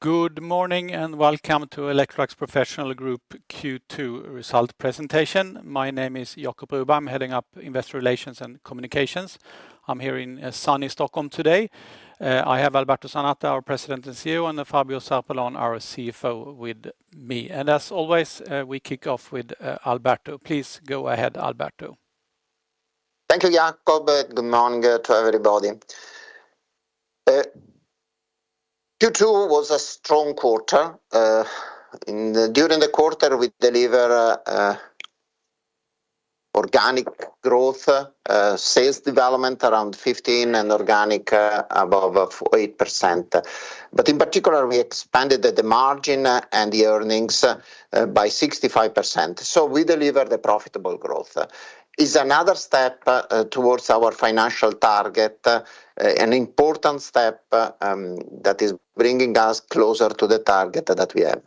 Good morning, and welcome to Electrolux Professional Group Q2 result presentation. My name is Jacob Broberg. I'm heading up Investor Relations and Communications. I'm here in sunny Stockholm today. I have Alberto Zanata, our President and CEO, and Fabio Zarpellon, our CFO, with me. As always, we kick off with Alberto. Please, go ahead, Alberto. Thank you, Jacob, good morning to everybody. Q2 was a strong quarter. During the quarter, we deliver organic growth, sales development around 15 and organic above 8%. In particular, we expanded the margin and the earnings by 65%. We deliver the profitable growth. Is another step towards our financial target, an important step that is bringing us closer to the target that we have.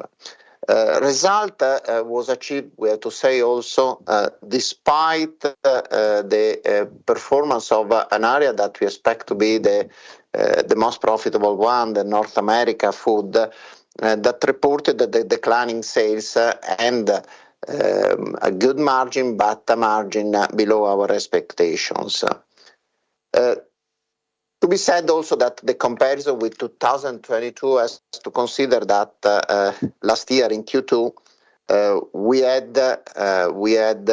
Result was achieved, we have to say also, despite the performance of an area that we expect to be the most profitable one, the North America Food, that reported the decline in sales, and a good margin, but a margin below our expectations. To be said also that the comparison with 2022 has to consider that last year in Q2, we had, we had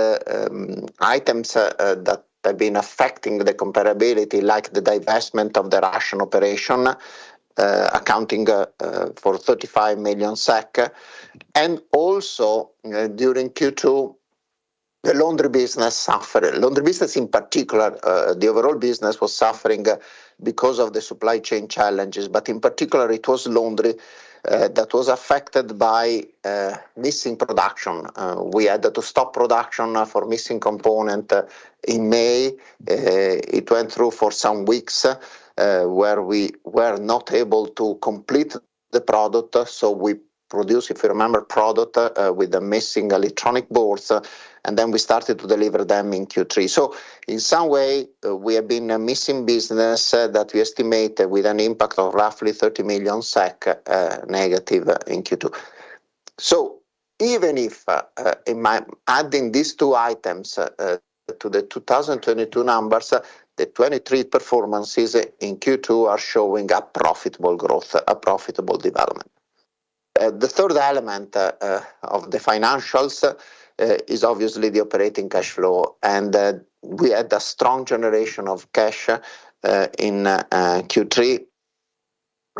items that have been affecting the comparability, like the divestment of the Russian operation, accounting for SEK 35 million. During Q2, the laundry business suffered. Laundry business, in particular, the overall business was suffering because of the supply chain challenges, but in particular, it was laundry that was affected by missing production. We had to stop production for missing component in May. It went through for some weeks, where we were not able to complete the product, so we produce, if you remember, product with the missing electronic boards, and then we started to deliver them in Q3. In some way, we have been a missing business that we estimate with an impact of roughly 30 million SEK negative in Q2. Even if, in my adding these two items to the 2022 numbers, the 2023 performances in Q2 are showing a profitable growth, a profitable development. The third element of the financials is obviously the operating cash flow, and we had a strong generation of cash in Q3.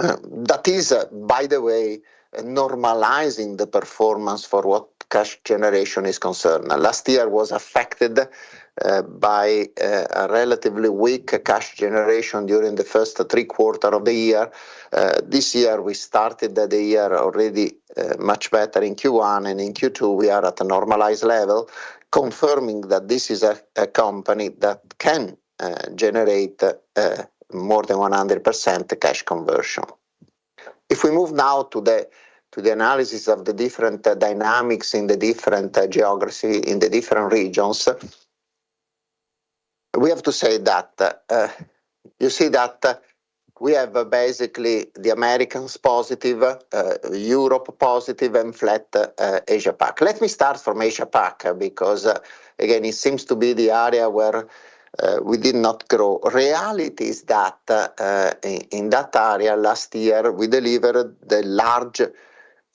That is, by the way, normalizing the performance for what cash generation is concerned. Last year was affected by a relatively weak cash generation during the first three quarter of the year. This year, we started the year already much better in Q1, and in Q2, we are at a normalized level, confirming that this is a company that can generate more than 100% the cash conversion. If we move now to the analysis of the different dynamics in the different geographies, in the different regions, we have to say that you see that we have basically the Americas positive, Europe positive, and flat Asia-Pac. Let me start from Asia-Pac, because again, it seems to be the area where we did not grow. Reality is that in that area last year, we delivered the large,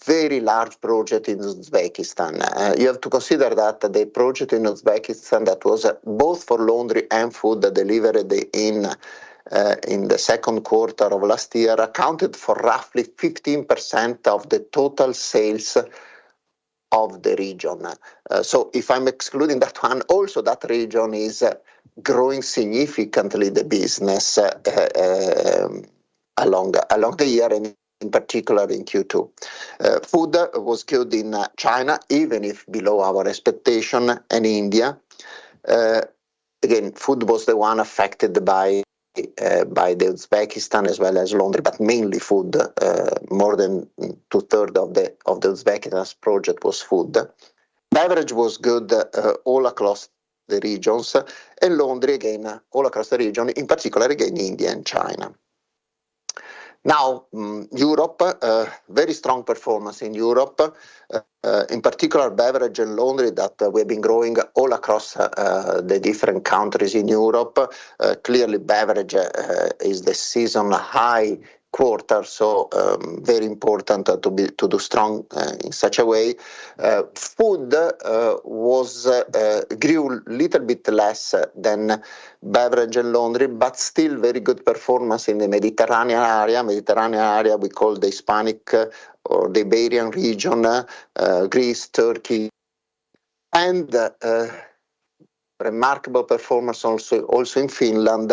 very large project in Uzbekistan. You have to consider that the project in Uzbekistan that was both for laundry and food, delivered in the second quarter of last year, accounted for roughly 15% of the total sales of the region. If I'm excluding that one, also that region is growing significantly, the business along the year and in particular, in Q2. Food was good in China, even if below our expectation, and India. Again, food was the one affected by the Uzbekistan as well as laundry, but mainly food, more than two thirds of the Uzbekistan's project was food. Beverage was good all across the regions, and laundry, again, all across the region, in particular, again, India and China. Europe, a very strong performance in Europe, in particular, beverage and laundry, that we've been growing all across the different countries in Europe. Clearly, beverage is the season high quarter, so very important to do strong in such a way. Food was grew little bit less than beverage and laundry, but still very good performance in the Mediterranean area. Mediterranean area, we call the Iberian, or the Iberian region, Greece, Turkey, and remarkable performance also in Finland,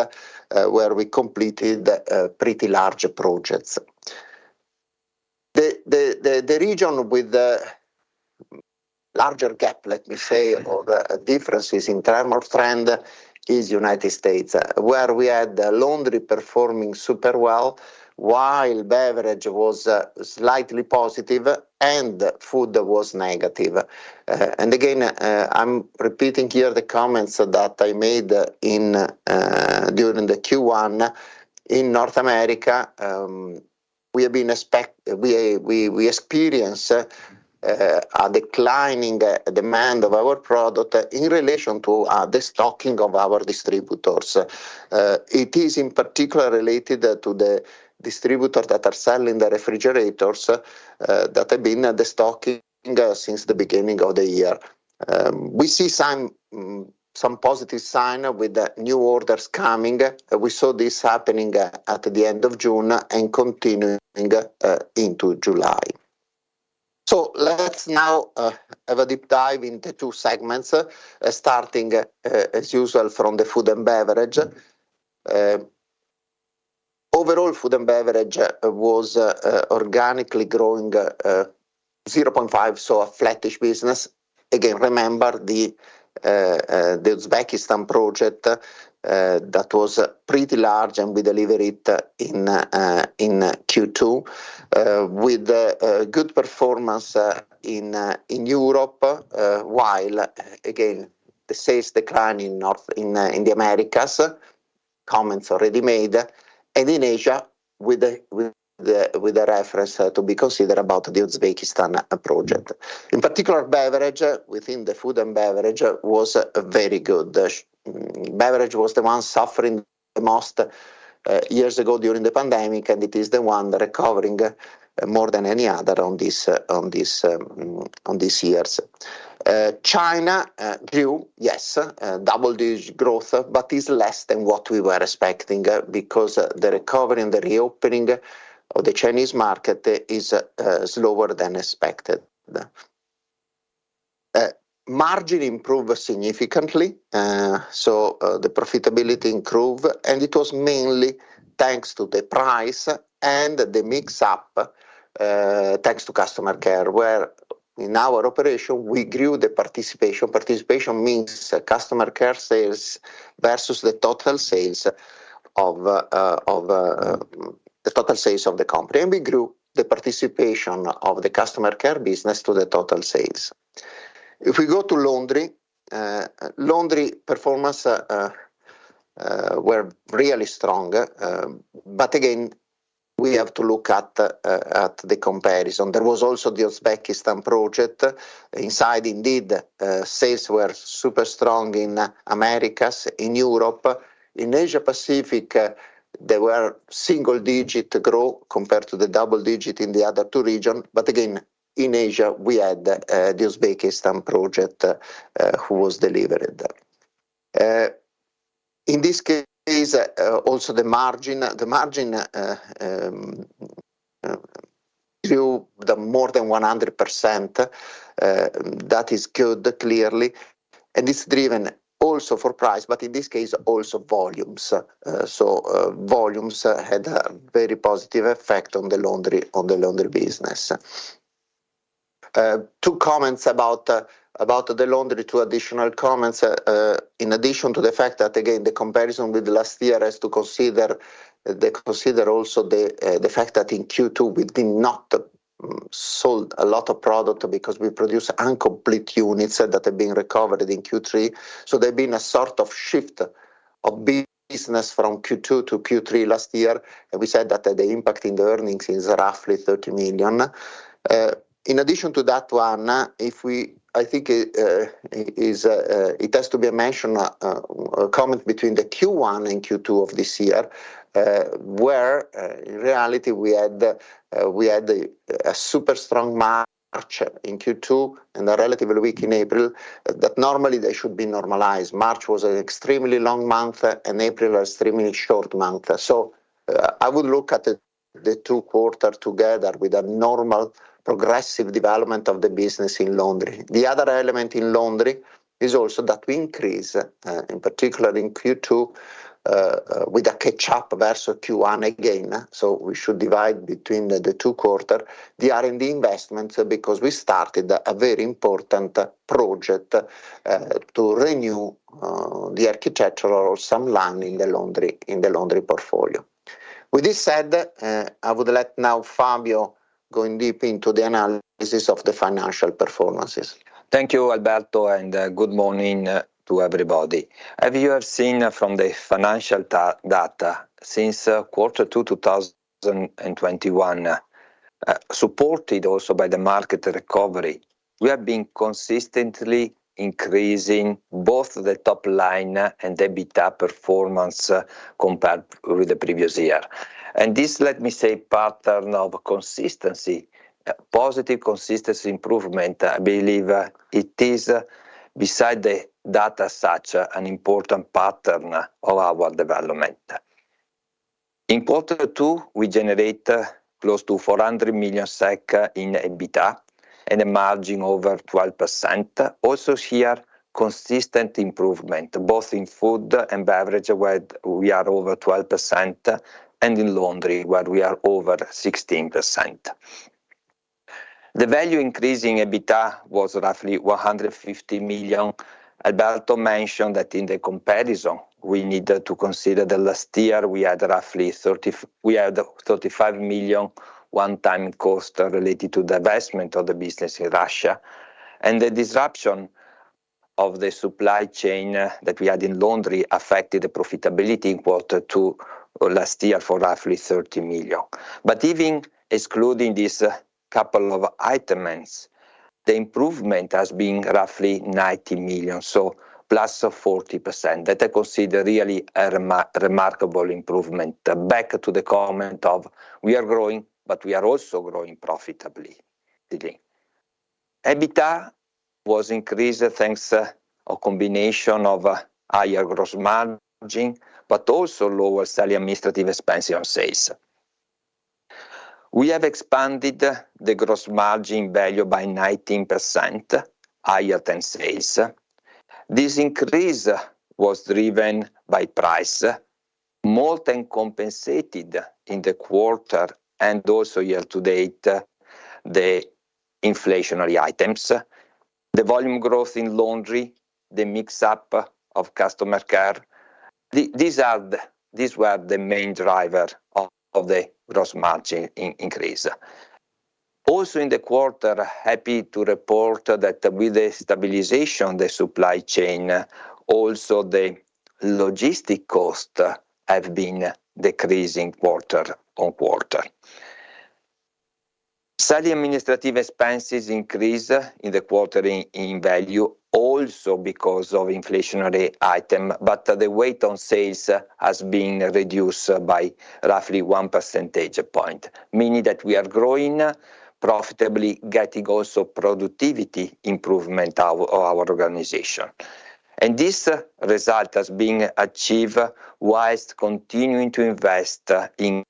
where we completed pretty large projects. The region with the larger gap, let me say, or the differences in term of trend is United States, where we had the laundry performing super well, while beverage was slightly positive and food was negative. Again, I'm repeating here the comments that I made during the Q1. In North America, we experience a declining demand of our product in relation to the stocking of our distributors. It is in particular related to the distributors that are selling the refrigerators that have been restocking since the beginning of the year. We see some positive sign with the new orders coming, we saw this happening at the end of June and continuing into July. Let's now have a deep dive into two segments, starting as usual from the Food and Beverage. Overall, Food and Beverage was organically growing 0.5%, so a flattish business. Remember the Uzbekistan project that was pretty large, and we deliver it in Q2 with a good performance in Europe, while again, the sales decline in the Americas, comments already made, and in Asia with the reference to be considered about the Uzbekistan project. In particular, beverage within the food and beverage was very good. Beverage was the one suffering the most years ago during the pandemic, and it is the one recovering more than any other on this years. China grew, yes, double-digit growth, but is less than what we were expecting because the recovery and the reopening of the Chinese market is slower than expected. Margin improved significantly, so the profitability improved, and it was mainly thanks to the price and the mix up, thanks to customer care, where in our operation, we grew the participation. Participation means customer care sales versus the total sales of the company, and we grew the participation of the customer care business to the total sales. If we go to laundry performance were really strong, but again, we have to look at the comparison. There was also the Uzbekistan project. Inside, indeed, sales were super strong in Americas, in Europe. In Asia Pacific, they were single-digit growth compared to the double-digit in the other 2 region. Again, in Asia, we had the Uzbekistan project, who was delivered. In this case, also the margin grew the more than 100%. That is good, clearly, and it's driven also for price, but in this case, also volumes. Volumes had a very positive effect on the laundry business. 2 comments about the laundry, 2 additional comments. In addition to the fact that, again, the comparison with last year is to consider also the fact that in Q2 we did not sold a lot of product because we produced incomplete units, that are being recovered in Q3. There've been a sort of shift of business from Q2 to Q3 last year, and we said that the impact in the earnings is roughly 30 million. In addition to that one, I think is it has to be mentioned, comment between the Q1 and Q2 of this year, where in reality, we had a super strong March in Q2 and a relatively weak in April, that normally they should be normalized. March was an extremely long month, and April was extremely short month. I would look at the two quarter together with a normal progressive development of the business in laundry. The other element in laundry is also that we increase, in particular in Q2, with a catch-up versus Q1 again. We should divide between the two quarter the R&D investments, because we started a very important project, to renew the architecture or some line in the laundry, in the laundry portfolio. With this said, I would let now Fabio going deep into the analysis of the financial performances. Thank you, Alberto, and good morning to everybody. As you have seen from the financial data, since quarter two, 2021, supported also by the market recovery, we have been consistently increasing both the top line and the EBITDA performance compared with the previous year. This, let me say, pattern of consistency, positive consistency improvement, I believe, it is, beside the data, such an important pattern of our development. Important too, we generate close to 400 million SEK in EBITDA and a margin over 12%. Also here, consistent improvement, both in food and beverage, where we are over 12%, and in laundry, where we are over 16%. The value increase in EBITDA was roughly 150 million. Alberto mentioned that in the comparison, we need to consider the last year we had roughly 35 million one-time cost related to the divestment of the business in Russia, and the disruption of the supply chain that we had in laundry affected the profitability in quarter two of last year for roughly 30 million. Even excluding these couple of items, the improvement has been roughly 90 million, so +40%. That I consider really a remarkable improvement. Back to the comment of we are growing, but we are also growing profitably today. EBITDA was increased, thanks a combination of higher gross margin, but also lower selling administrative expenses on sales. We have expanded the gross margin value by 19%, higher than sales. This increase was driven by price, more than compensated in the quarter and also year to date, the inflationary items, the volume growth in laundry, the mix-up of customer care. These were the main driver of the gross margin increase. Also in the quarter, happy to report that with the stabilization, the supply chain, also the logistic costs have been decreasing quarter-on-quarter. Selling administrative expenses increase in the quarter in value also because of inflationary item, but the weight on sales has been reduced by roughly one percentage point, meaning that we are growing profitably, getting also productivity improvement of our organization. This result has been achieved whilst continuing to invest in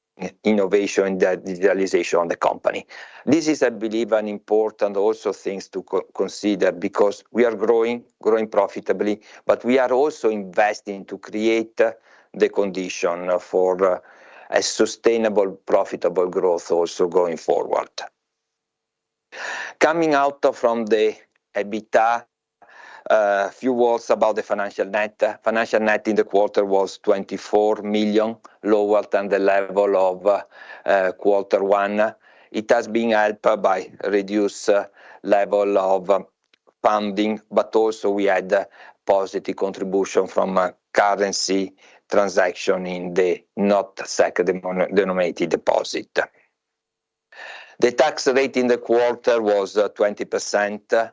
innovation and digitalization on the company. This is, I believe, an important also things to consider, because we are growing profitably, but we are also investing to create the condition for a sustainable, profitable growth also going forward. Coming out from the EBITDA, a few words about the financial net. Financial net in the quarter was 24 million, lower than the level of quarter one. It has been helped by reduced level of funding, but also we had a positive contribution from a currency transaction in the non-SEK-denominated deposit. The tax rate in the quarter was 20%,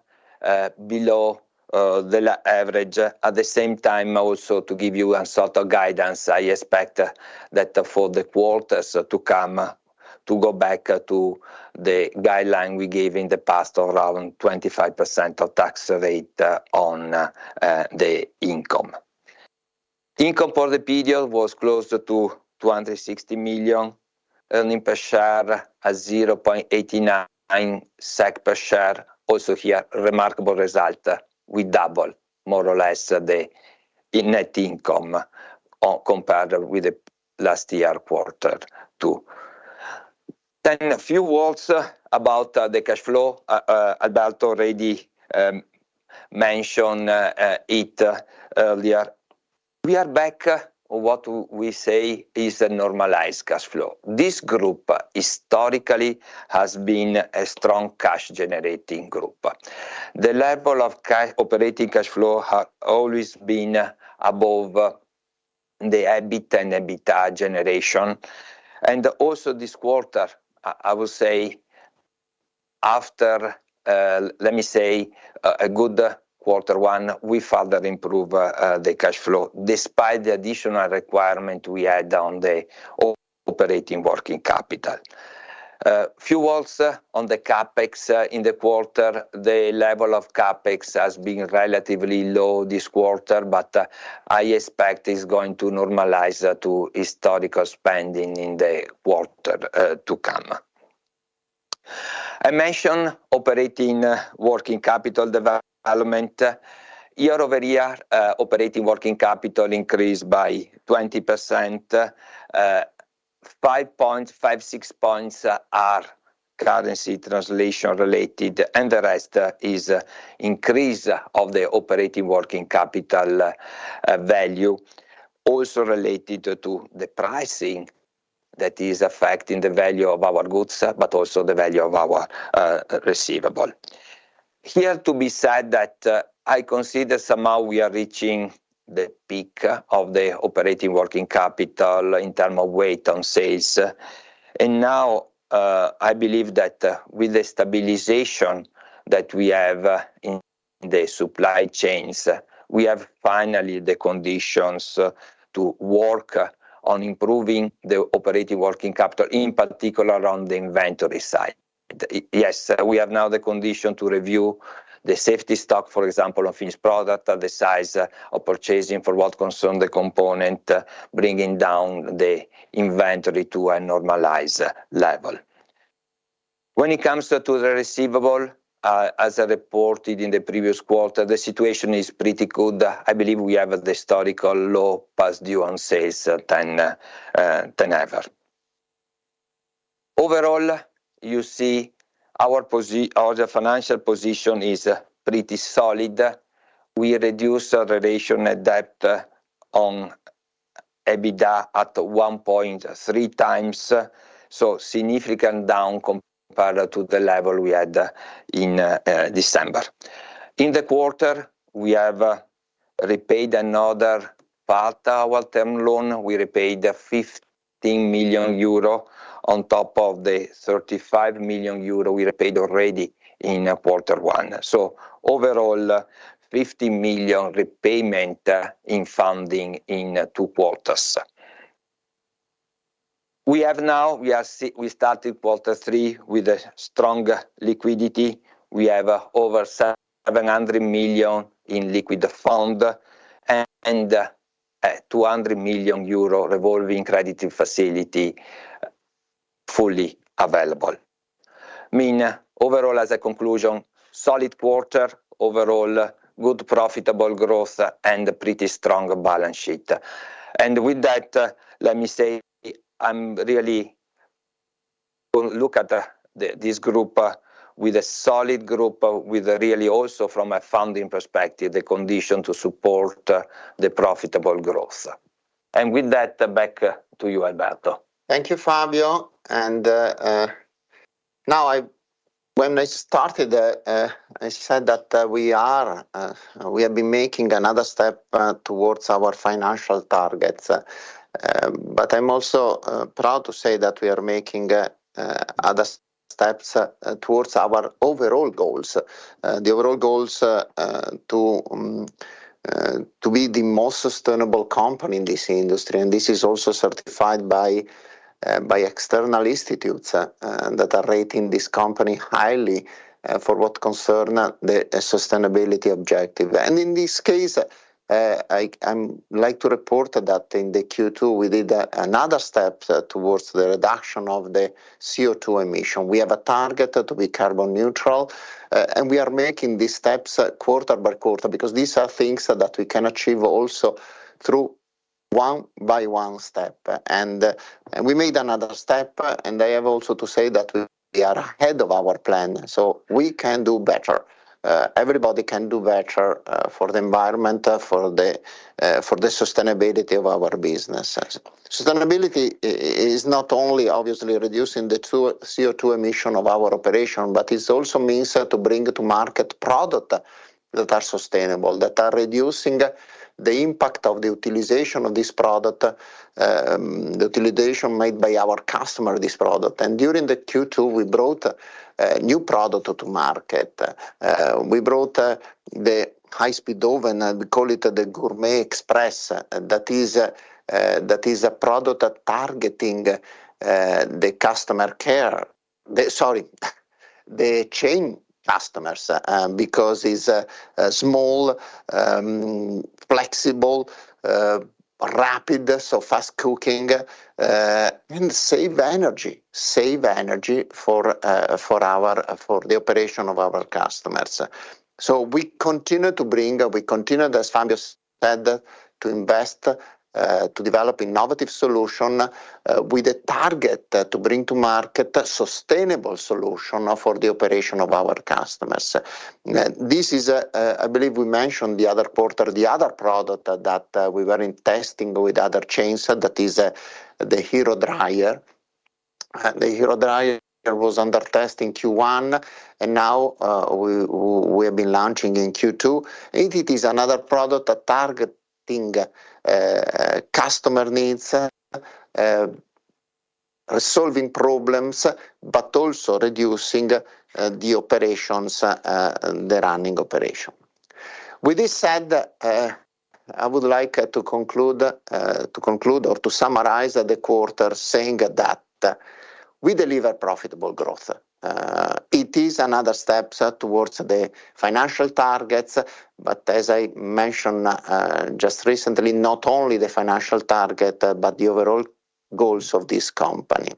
below the average. At the same time, to give you a sort of guidance, I expect that for the quarters to come, to go back to the guideline we gave in the past of around 25% of tax rate on the income. Income for the period was closer to 260 million, earnings per share 0.89 SEK per share. Here, remarkable result. We double more or less the net income compared with the last year quarter two. A few words about the cash flow. Alberto already mentioned it earlier. We are back what we say is a normalized cash flow. This group historically has been a strong cash-generating group. The level of operating cash flow has always been above the EBITDA and EBITDA generation. This quarter, I will say after a good quarter one, we further improve the cash flow, despite the additional requirement we had on the operating working capital. Few words on the CapEx in the quarter. The level of CapEx has been relatively low this quarter, I expect it's going to normalize to historical spending in the quarter to come. I mentioned operating working capital development. Year-over-year, operating working capital increased by 20%. 5.56 points are currency translation related, the rest is increase of the operating working capital value, also related to the pricing that is affecting the value of our goods, but also the value of our receivable. Here, to be said, that, I consider somehow we are reaching the peak, of the operating working capital in term of weight on sales. Now, I believe that, with the stabilization that we have, in the supply chains, we have finally the conditions, to work, on improving the operating working capital, in particular on the inventory side. Yes, we have now the condition to review the safety stock, for example, of each product, the size of purchasing for what concern the component, bringing down the inventory to a normalized level. When it comes to the receivable, as I reported in the previous quarter, the situation is pretty good. I believe we have the historical low past due on sales than ever. Overall, you see our financial position is pretty solid. We reduce our relation debt. EBITDA at 1.3x, significant down compared to the level we had in December. In the quarter, we have repaid another part our term loan. We repaid 15 million euro on top of the 35 million euro we repaid already in quarter one. Overall, 50 million repayment in funding in two quarters. We have now, we started quarter three with a strong liquidity. We have over 700 million in liquid fund and 200 million euro revolving credit facility fully available. I mean, overall, as a conclusion, solid quarter, overall good profitable growth, and a pretty strong balance sheet. With that, let me say, I'm really look at this group, with a solid group, with really also from a funding perspective, the condition to support the profitable growth. With that, back to you, Alberto. Thank you, Fabio. Now when I started, I said that we have been making another step towards our financial targets, but I'm also proud to say that we are making other steps towards our overall goals. The overall goals to be the most sustainable company in this industry, and this is also certified by external institutes that are rating this company highly for what concern the sustainability objective. In this case, I like to report that in the Q2, we did another step towards the reduction of the CO2 emissions. We have a target to be carbon neutral, and we are making these steps quarter by quarter, because these are things that we can achieve also through one by one step. We made another step, and I have also to say that we are ahead of our plan. Everybody can do better for the environment, for the sustainability of our business. Sustainability is not only obviously reducing the CO2 emissions of our operation, but it also means to bring to market product that are sustainable, that are reducing the impact of the utilization of this product, the utilization made by our customer, this product. During the Q2, we brought a new product to market. We brought the high-speed oven, and we call it the Gourmet Express. That is a product that targeting the customer care. Sorry, the chain customers, because it's a small, flexible, rapid, so fast cooking, and save energy for the operation of our customers. We continue to bring, we continue, as Fabio said, to invest to develop innovative solution with a target to bring to market a sustainable solution for the operation of our customers. This is, I believe we mentioned the other quarter, the other product that we were in testing with other chains, that is the HeroDry. The HeroDry was under test in Q1, and now we have been launching in Q2. It is another product that targeting customer needs, solving problems, but also reducing the operations, the running operation. With this said, I would like to conclude or to summarize the quarter, saying that we deliver profitable growth. It is another step towards the financial targets, but as I mentioned just recently, not only the financial target, but the overall goals of this company.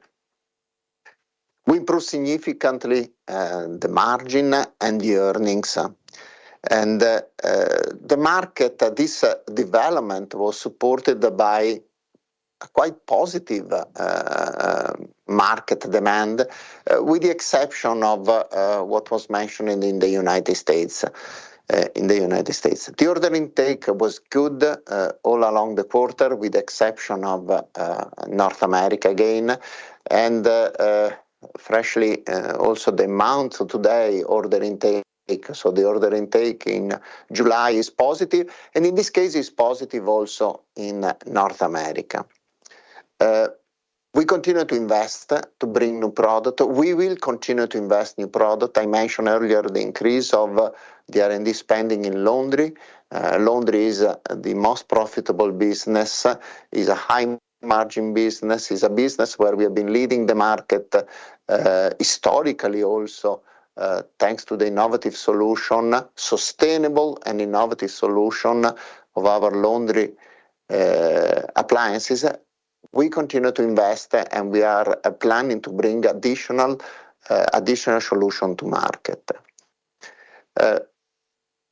We improve significantly the margin and the earnings, and the market, this development was supported by a quite positive market demand, with the exception of what was mentioned in the United States, in the United States. The order intake was good all along the quarter, with the exception of North America again, and freshly also the amount today order intake. The order intake in July is positive, and in this case, it's positive also in North America. We continue to invest to bring new product. We will continue to invest new product. I mentioned earlier the increase of the R&D spending in laundry. Laundry is the most profitable business, is a high-margin business, is a business where we have been leading the market historically also, thanks to the innovative solution, sustainable and innovative solution of our laundry appliances. We continue to invest, and we are planning to bring additional additional solution to market.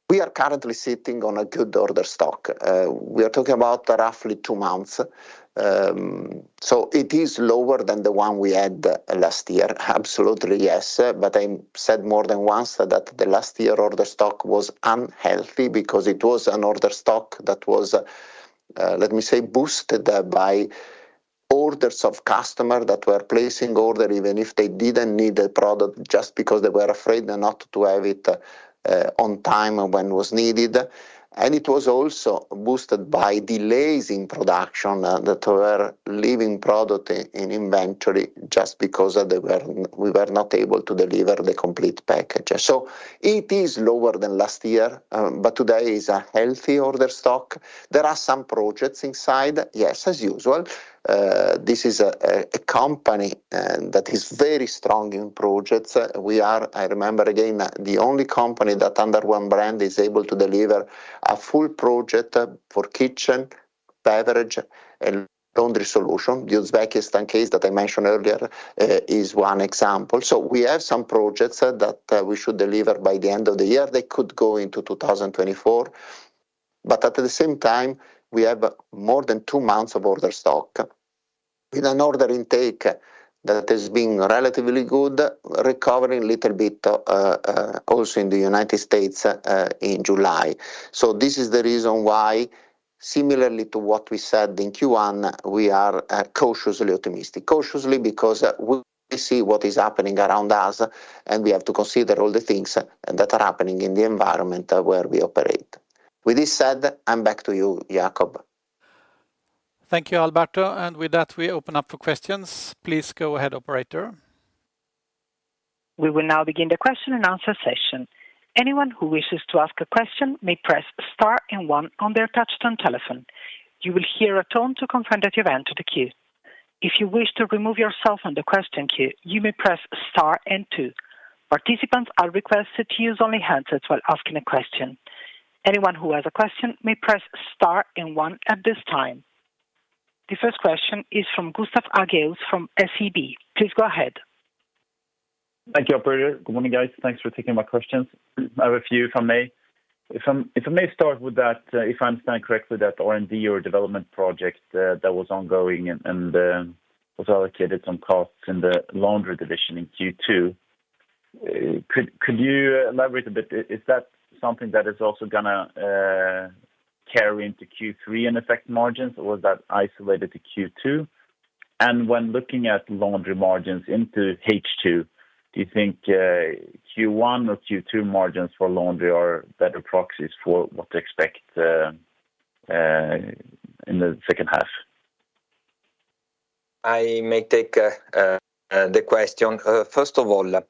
We are currently sitting on a good order stock. We are talking about roughly two months. It is lower than the one we had last year? Absolutely, yes, but I said more than once that the last year order stock was unhealthy because it was an order stock that was, let me say, boosted by- ... orders of customer that were placing order even if they didn't need the product, just because they were afraid not to have it on time or when was needed. It was also boosted by delays in production that were leaving product in inventory just because of we were not able to deliver the complete package. It is lower than last year, but today is a healthy order stock. There are some projects inside. Yes, as usual, this is a company that is very strong in projects. We are, I remember, again, the only company that under one brand is able to deliver a full project for kitchen, beverage, and laundry solution. The Uzbekistan case that I mentioned earlier is one example. We have some projects that we should deliver by the end of the year. They could go into 2024, but at the same time, we have more than two months of order stock. With an order intake that has been relatively good, recovering a little bit, also in the United States, in July. This is the reason why, similarly to what we said in Q1, we are cautiously optimistic. Cautiously, because we see what is happening around us, and we have to consider all the things that are happening in the environment where we operate. With this said, I'm back to you, Jacob. Thank you, Alberto. With that, we open up for questions. Please go ahead, operator. We will now begin the question and answer session. Anyone who wishes to ask a question may press star and one on their touchtone telephone. You will hear a tone to confirm that you're entered to the queue. If you wish to remove yourself from the question queue, you may press star and two. Participants are requested to use only handsets while asking a question. Anyone who has a question may press star and one at this time. The first question is from Gustav Hagéus from SEB. Please go ahead. Thank you, operator. Good morning, guys. Thanks for taking my questions. I have a few, if I may. If I may start with that, if I understand correctly, that R&D or development project that was ongoing and was allocated some costs in the laundry division in Q2. Could you elaborate a bit? Is that something that is also gonna carry into Q3 and affect margins, or was that isolated to Q2? When looking at laundry margins into H2, do you think Q1 or Q2 margins for laundry are better proxies for what to expect in the second half? I may take the question. First of all,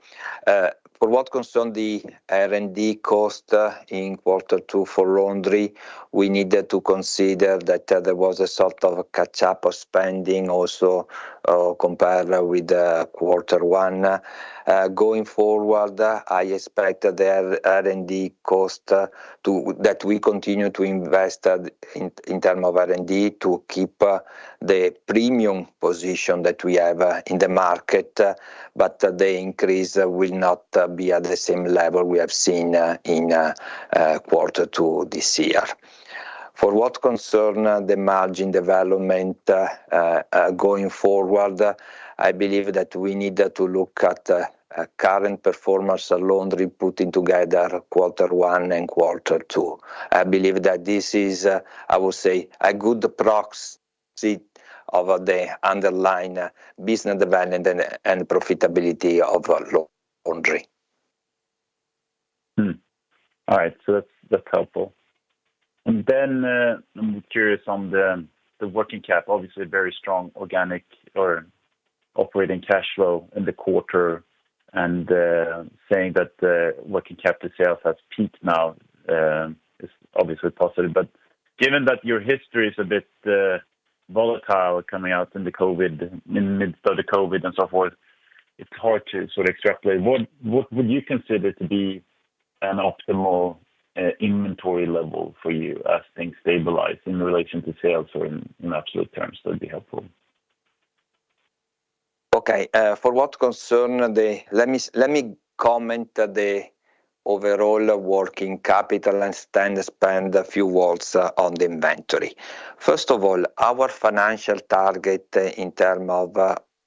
for what concerned the R&D cost in quarter two for laundry, we needed to consider that there was a sort of catch-up of spending also compared with the quarter one. Going forward, I expect the R&D cost to that we continue to invest in in term of R&D to keep the premium position that we have in the market, but the increase will not be at the same level we have seen in quarter two this year. For what concern the margin development going forward, I believe that we need to look at a current performance of laundry, putting together quarter one and quarter two. I believe that this is, I would say, a good proxy of the underlying business development and profitability of our laundry. All right. That's helpful. I'm curious on the working cap. Obviously, very strong organic or operating cash flow in the quarter, saying that the working capital sales has peaked now, is obviously possible. Given that your history is a bit volatile coming out in the COVID, in the midst of the COVID and so forth, it's hard to sort of extrapolate. What would you consider to be an optimal inventory level for you as things stabilize in relation to sales or in absolute terms, that'd be helpful? Okay, let me comment the overall working capital and then spend a few words on the inventory. First of all, our financial target in terms of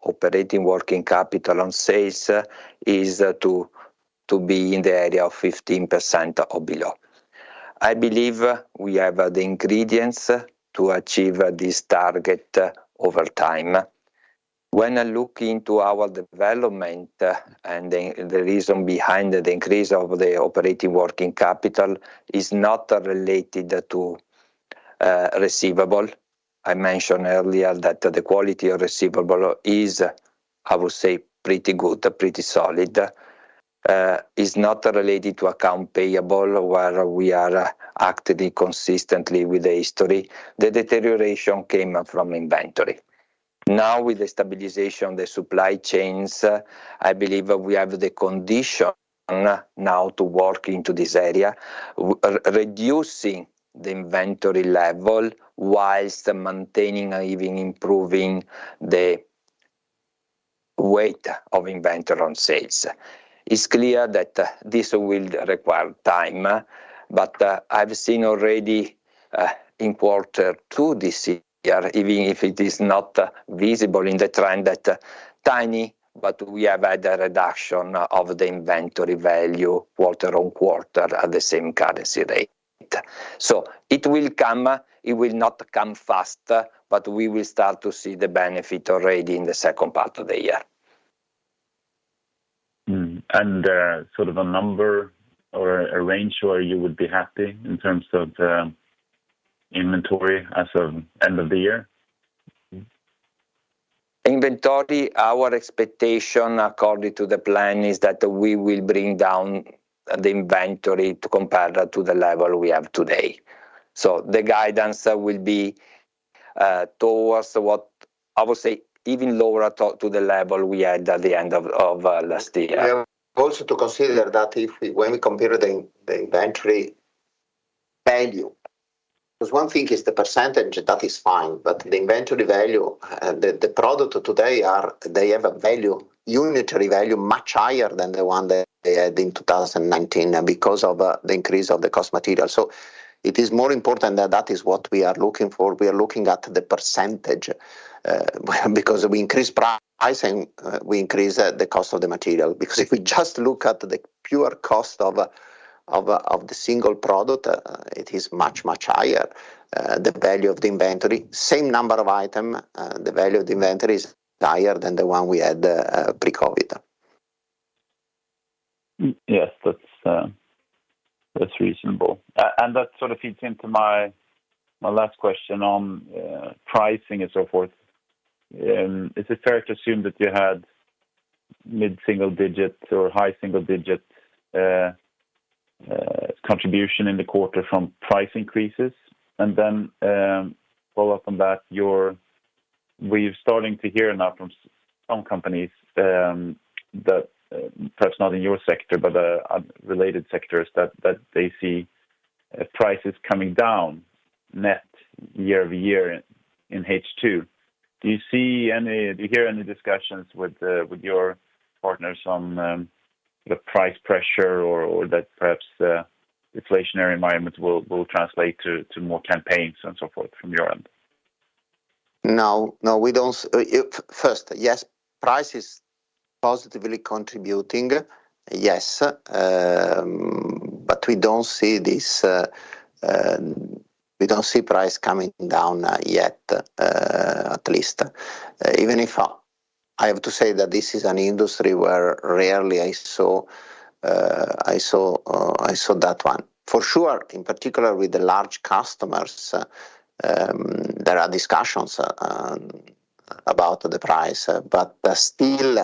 operating working capital on sales is to be in the area of 15% or below. I believe we have the ingredients to achieve this target over time. When I look into our development, and the reason behind the increase of the operating working capital is not related to receivable. I mentioned earlier that the quality of receivable is, I would say, pretty good, pretty solid. Is not related to account payable, where we are actively, consistently with the history. The deterioration came up from inventory. With the stabilization of the supply chains, I believe that we have the condition now to work into this area, reducing the inventory level whilst maintaining or even improving the weight of inventory on sales. It's clear that this will require time, but I've seen already in quarter 2 this year, even if it is not visible in the trend, that tiny, but we have had a reduction of the inventory value quarter-on-quarter at the same currency rate. It will come, it will not come fast, but we will start to see the benefit already in the second part of the year. Sort of a number or a range where you would be happy in terms of inventory as of end of the year? Inventory, our expectation according to the plan is that we will bring down the inventory to compare that to the level we have today. The guidance will be, I would say even lower to the level we had at the end of last year. We have also to consider that if we, when we compare the inventory value, because one thing is the percentage, that is fine, but the inventory value, the product today are, they have a value, unitary value, much higher than the one that they had in 2019 because of the increase of the cost material. It is more important that that is what we are looking for. We are looking at the percentage, because we increase pricing, we increase the cost of the material. If we just look at the pure cost of, of the single product, it is much, much higher. The value of the inventory, same number of item, the value of the inventory is higher than the one we had, pre-COVID. Yes, that's reasonable. That sort of feeds into my last question on pricing and so forth. Is it fair to assume that you had mid-single digit or high single digit contribution in the quarter from price increases? Then, follow up on that, we're starting to hear now from some companies that perhaps not in your sector, but other related sectors, that they see prices coming down net year-over-year in H2. Do you hear any discussions with your partners on the price pressure or that perhaps inflationary environment will translate to more campaigns and so forth from your end? No. No, we don't first, yes, price is positively contributing. Yes, we don't see this, we don't see price coming down yet, at least. Even if I have to say that this is an industry where rarely I saw that one. For sure, in particular with the large customers, there are discussions about the price, but still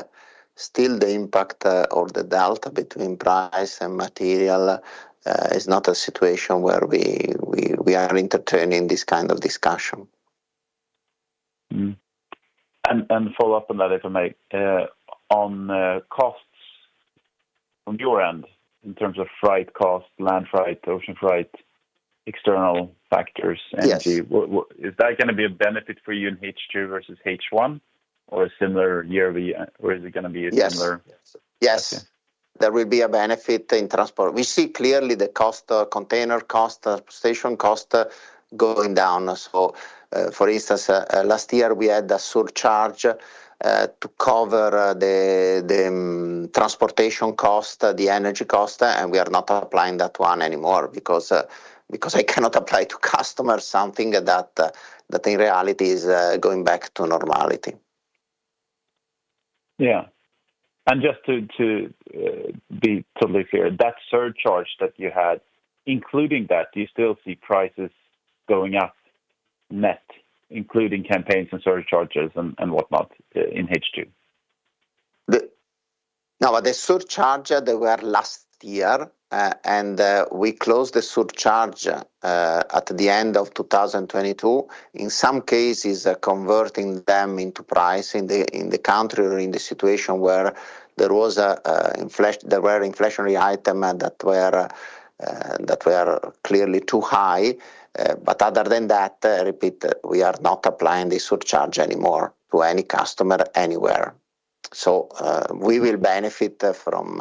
the impact or the delta between price and material is not a situation where we are entertaining this kind of discussion. Follow up on that, if I may. On costs from your end in terms of freight costs, land freight, ocean freight, external factors. Yes. Is that gonna be a benefit for you in H2 versus H1, or similar year-over-year? Yes. Okay. Yes, there will be a benefit in transport. We see clearly the cost, container cost, station cost, going down. For instance, last year we had a surcharge to cover the transportation cost, the energy cost. We are not applying that one anymore because I cannot apply to customers something that in reality is going back to normality. Yeah. Just to be totally clear, that surcharge that you had, including that, do you still see prices going up net, including campaigns and surcharges and whatnot in H2? No, the surcharge, they were last year, and we closed the surcharge at the end of 2022. In some cases, converting them into price in the country or in the situation where there were inflationary item that were clearly too high. Other than that, repeat, we are not applying the surcharge anymore to any customer anywhere. We will benefit from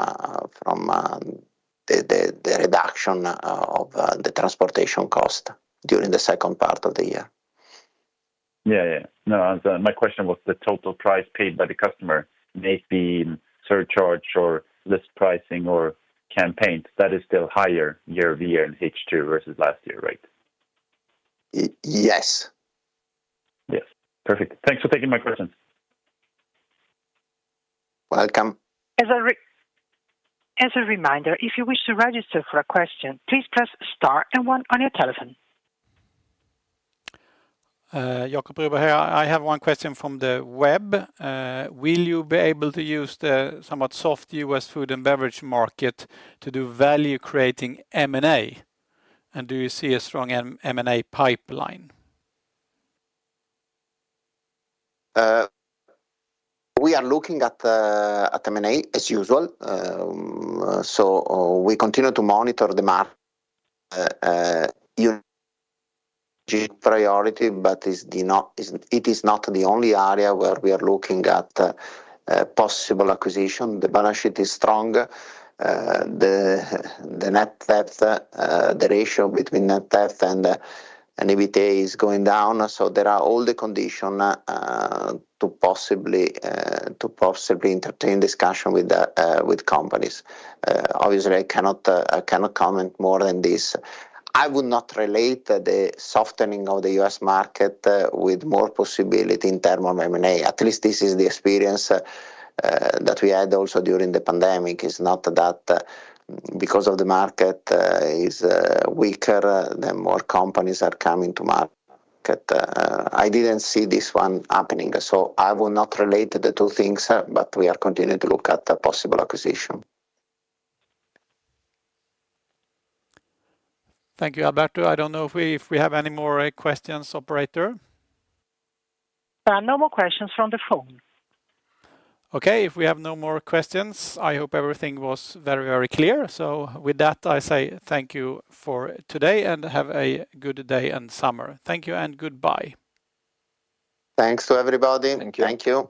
the reduction of the transportation cost during the second part of the year. Yeah, yeah. No, my question was the total price paid by the customer, may it be in surcharge or list pricing or campaigns, that is still higher year-over-year in H2 versus last year, right? Yes. Yes. Perfect. Thanks for taking my question. Welcome. As a reminder, if you wish to register for a question, please press star and one on your telephone. Jacob over here. I have 1 question from the web. Will you be able to use the somewhat soft U.S. food and beverage market to do value-creating M&A? Do you see a strong M&A pipeline? We are looking at M&A as usual. We continue to monitor the market priority, but it is not the only area where we are looking at possible acquisition. The balance sheet is strong. The net debt, the ratio between net debt and EBITDA is going down. There are all the condition to possibly entertain discussion with companies. Obviously, I cannot comment more than this. I would not relate the softening of the U.S. market with more possibility in term of M&A. At least this is the experience that we had also during the pandemic, is not that because of the market is weaker, the more companies are coming to market. I didn't see this one happening, so I will not relate the two things, but we are continuing to look at the possible acquisition. Thank you, Alberto. I don't know if we have any more questions, operator? No more questions from the phone. Okay, if we have no more questions, I hope everything was very, very clear. With that, I say thank you for today and have a good day and summer. Thank you and goodbye. Thanks to everybody. Thank you. Thank you.